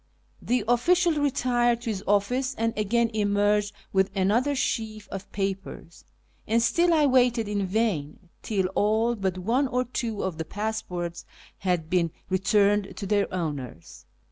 The official retired to his office and again emerged with another sheaf of papers, and still I waited in vain, till all but one or two of the pass ports had been returned to their owners.